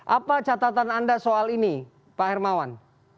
apa catatan anda soal ini pak hermawan